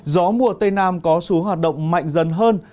gió mùa tây nam có xu hoạt động mạnh dần hơn